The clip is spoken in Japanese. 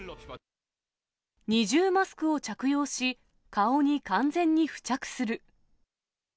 ２重マスクを着用し、顔に完全に付着する。